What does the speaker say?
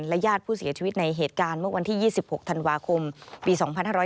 ญาติผู้เสียชีวิตในเหตุการณ์เมื่อวันที่๒๖ธันวาคมปี๒๕๕๙